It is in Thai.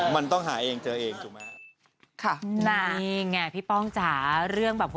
มันต้องหาเธอเอง